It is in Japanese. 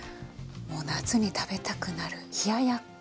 夏に食べたくなる冷ややっこ。